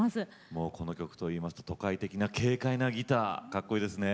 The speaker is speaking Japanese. もうこの曲といいますと都会的な軽快なギターかっこいいですね。